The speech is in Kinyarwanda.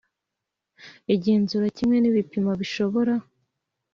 Igenzura kimwe n ibipimo bishobora